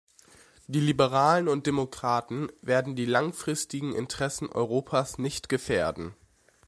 Die Liberalen und Demokraten werden die langfristigen Interessen Europas nicht gefährden.